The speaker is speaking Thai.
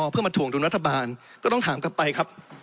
เพื่อมาถวงดุลรัฐบาลก็ต้องถามกลับไปครับ